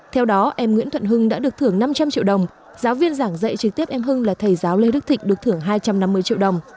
theo đó em nguyễn thuận hưng đã được thưởng năm trăm linh triệu đồng giáo viên giảng dạy trực tiếp em hưng là thầy giáo lê đức thịnh được thưởng hai trăm năm mươi triệu đồng